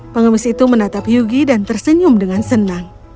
pengemis itu menatap hyugi dan tersenyum dengan senang